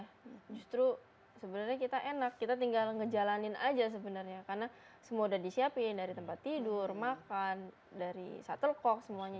justru sebenarnya kita enak kita tinggal ngejalanin aja sebenarnya karena semua udah disiapin dari tempat tidur makan dari shuttlecock semuanya